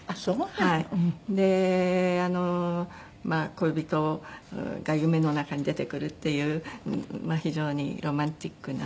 恋人が夢の中に出てくるっていう非常にロマンチックな。